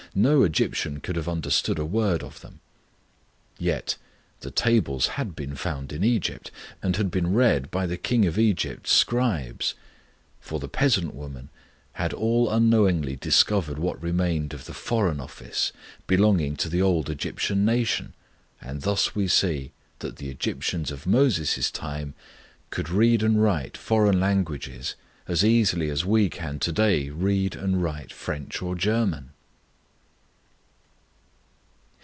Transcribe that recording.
No Egyptian could have understood a word of them.' Yet the tablets had been found in Egypt, and had been read by the king of Egypt's scribes, for the peasant woman, had all unknowingly discovered what remained of the Foreign Office belonging to the old Egyptian nation, and thus we see that the Egyptians of Moses' time could read and write foreign languages as easily as we can to day read and write French or German!